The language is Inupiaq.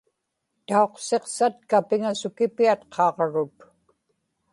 tauqsiqsatka piŋasukipiat qaġrut